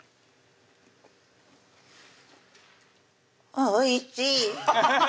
おいちい！